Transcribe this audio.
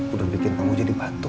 udah bikin kamu jadi batuk